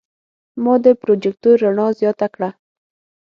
ما د پروجیکتور رڼا زیاته کړه.